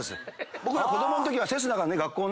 僕子供のときは。